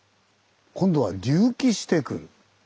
今度は隆起してくる。